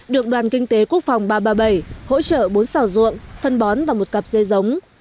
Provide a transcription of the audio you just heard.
được đoàn kinh tế quốc phòng ba trăm ba mươi bảy hỗ trợ bốn xào ruộng phân bón và một cặp dê giống